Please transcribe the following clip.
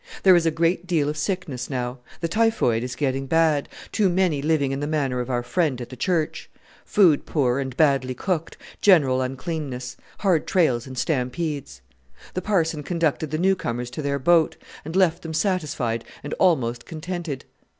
There is a great deal of sickness now. The typhoid is getting bad; too many living in the manner of our friend at the church. Food poor and badly cooked, general uncleanness; hard trails and stampedes." The Parson conducted the new comers to their boat, and left them satisfied and almost contented.